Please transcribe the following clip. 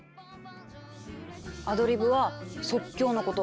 アドリブは「即興」のこと。